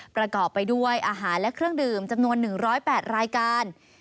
ประกอบไปด้วยอาหารและเครื่องดื่มจำนวน๑๐๘รายการ